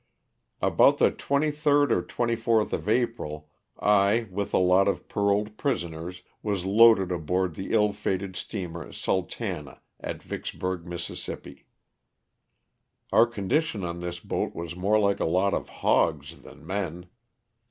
About the 23rd or 24th of April, I, with a lot of paroled prisoners, was loaded aboard the ill fated steamer " Sultana," at Vicksburg, Miss. Our condi tion on this boat was more like a lot of hogs than men.